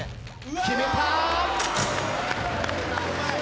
決めた！